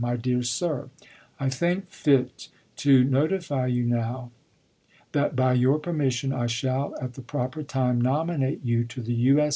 My Dear Sir : I think fit to notify you now, that by your permission I shall at the proper time nominate you to the U. S.